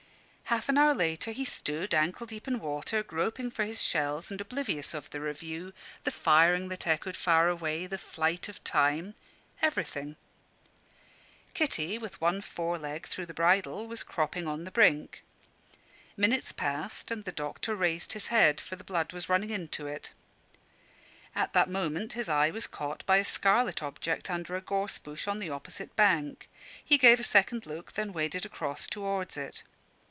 Half an hour later he stood, ankle deep in water, groping for his shells and oblivious of the review, the firing that echoed far away, the flight of time everything. Kitty, with one fore leg through the bridle, was cropping on the brink. Minutes passed, and the doctor raised his head, for the blood was running into it. At that moment his eye was caught by a scarlet object under a gorse bush on the opposite bank. He gave a second look, then waded across towards it.